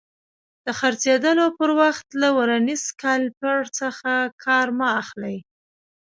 د څرخېدلو پر وخت له ورنیر کالیپر څخه کار مه اخلئ.